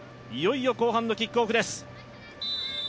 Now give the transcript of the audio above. いよいよ後半のキックオフです。